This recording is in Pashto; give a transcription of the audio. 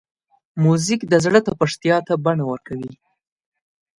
موزیک د زړه تپښتا ته بڼه ورکوي.